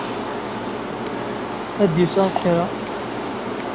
Ad d-iseɣ kra.